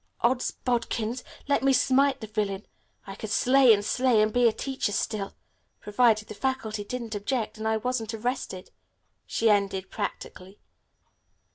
Odds bodkins! Let me smite the villain. I could slay and slay, and be a teacher still. Provided the faculty didn't object, and I wasn't arrested," she ended practically.